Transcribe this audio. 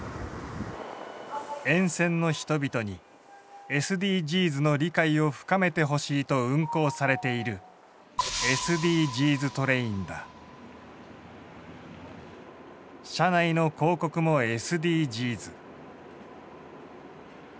沿線の人々にＳＤＧｓの理解を深めてほしいと運行されている車内の広告もＳＤＧｓ。